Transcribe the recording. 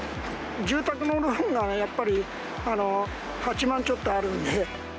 住宅のローンがね、やっぱり８万ちょっとあるんで。